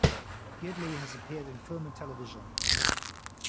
Gidley has appeared in film and television.